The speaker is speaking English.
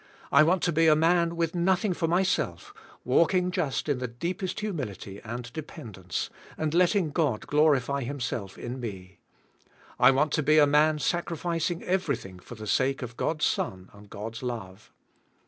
I want to be a man with nothing" for myself, walking" just in the deepest humility and dependence, and letting* God glorify Himself in me. I want to be a man sacrificing everything for the sake of God's Son and God's love.